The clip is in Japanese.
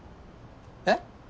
えっ？